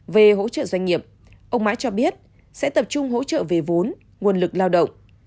về hỗ trợ doanh nghiệp ông mãi cho biết sẽ tập trung hỗ trợ về vốn nguồn lực lao động